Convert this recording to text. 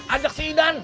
ajak si idan